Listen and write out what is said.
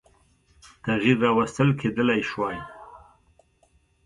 تغییر راوستل کېدلای شوای.